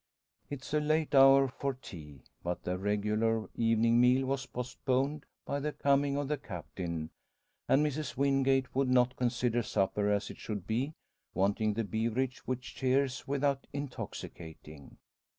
It is a late hour for tea; but their regular evening meal was postponed by the coming of the Captain, and Mrs Wingate would not consider supper as it should be, wanting the beverage which cheers without intoxicating.